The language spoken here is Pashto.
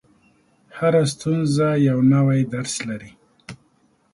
• هره ستونزه یو نوی درس لري.